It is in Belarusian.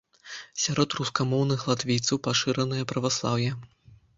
Сярод рускамоўных латвійцаў пашыранае праваслаўе.